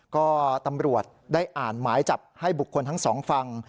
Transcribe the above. ก็ตำรวจได้อ่านหมายจับให้บุคคลทั้งสองฟัง